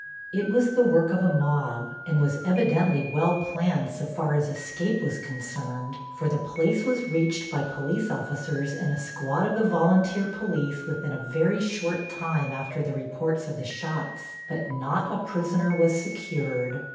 It was the work of a mob, and was evidently well planned so far as escape was concerned, for the place was reached by police officers, and a squad of the volunteer police within a very short time after the reports of the shots, but not a prisoner was secured.